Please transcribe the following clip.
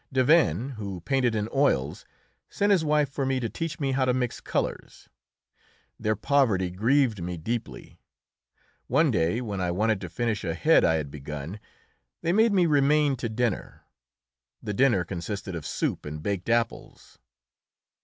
Davesne, who painted in oils, sent his wife for me to teach me how to mix colours. Their poverty grieved me deeply. One day, when I wanted to finish a head I had begun, they made me remain to dinner. The dinner consisted of soup and baked apples.